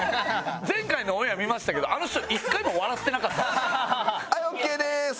前回のオンエア見ましたけどあの人１回も笑ってなかった。